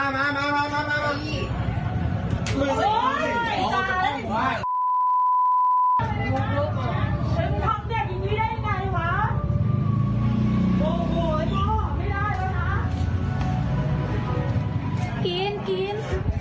กินกิน